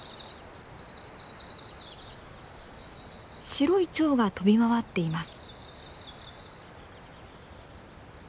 白いチョウが飛び回っています。